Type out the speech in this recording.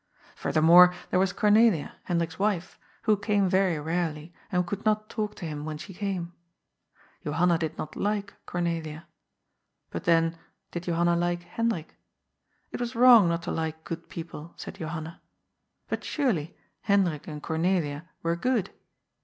Furthermore, there was Cornelia, Hendrik's wife, who came very rarely, and who could not talk to him when she came. Johanna did not like Cornelia. But then, did Jo hanna like Hendrik ? It was wrong not to like good people, said Johanna. But, surely, Hendrik and Cornelia were good.